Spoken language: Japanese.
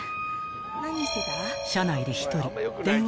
何してた？